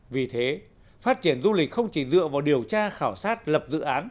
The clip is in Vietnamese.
vì thế phát triển du lịch không chỉ dựa vào điều tra khảo sát lập dự án